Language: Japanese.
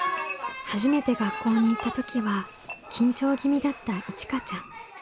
初めて学校に行った時は緊張気味だったいちかちゃん。